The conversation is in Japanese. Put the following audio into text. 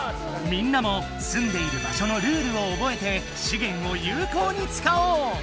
みんなもすんでいる場所のルールをおぼえてしげんをゆうこうにつかおう！